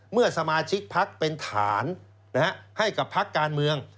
เมื่อสมาชิกพักเป็นฐานให้กับพักการเมือง